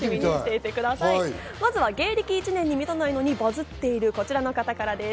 まずは芸歴１年に満たないのに、バズっているこちらの方からです。